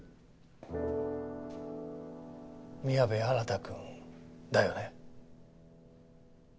宮部新くんだよね？